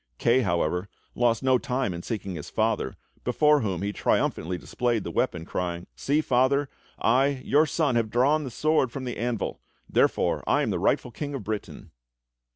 Kay, however, lost no time in seeking his father, before whom he triumphantly displayed the weapon, crying; "See, Father, I, your son, have drawn the sword from the anvil; therefore I am the rightful King of Britain!"